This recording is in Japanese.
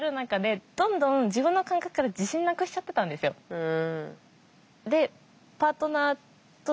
うん。